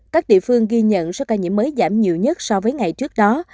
các địa phương ghi nhận số ca nhiễm mới giảm nhiều nhất so với ngày trước đó